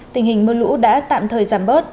tình hình mưa lũ đã tạm thời giảm bớt